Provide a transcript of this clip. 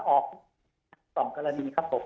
ออกทั้งสองกรณีครับผม